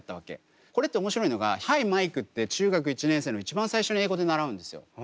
これって面白いのが「Ｈｉ，Ｍｉｋｅ」って中学１年生の一番最初に英語で習うんですよ。